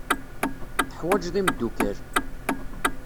Teḥwajeḍ imeddukal.